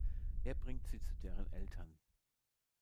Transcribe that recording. Er bringt sie zu deren Eltern.